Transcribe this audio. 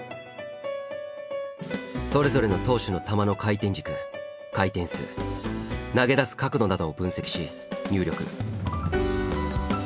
それぞれの投手の球の回転軸回転数投げ出す角度などを分析し入力。